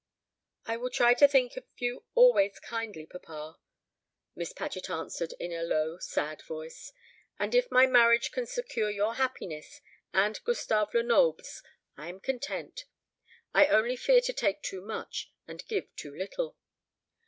"I will try to think of you always kindly, papa," Miss Paget answered in a low sad voice; "and if my marriage can secure your happiness and Gustave Lenoble's, I am content. I only fear to take too much, and give too little."